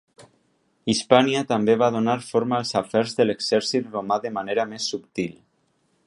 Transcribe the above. Hispània també va donar forma als afers de l'exèrcit romà de manera més subtil.